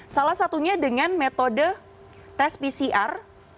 salah satunya dengan metode tes pcr